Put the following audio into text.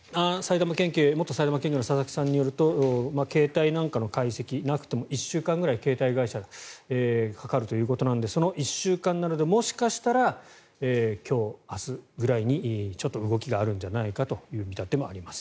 元埼玉県警の佐々木さんによると携帯なんかの解析がなくても１週間ぐらい携帯会社はかかるということなので１週間なのでもしかしたら今日、明日ぐらいにちょっと動きがあるんじゃないかという見立てもあります。